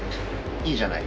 いいじゃない。